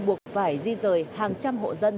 buộc phải di rời hàng trăm hộ dân